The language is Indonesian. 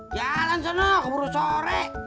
jalan sana keburu sore